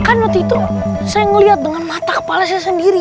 kan waktu itu saya melihat dengan mata kepala saya sendiri